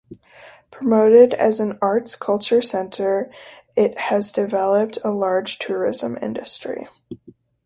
Promoted as an arts and culture centre, it has developed a large tourism industry.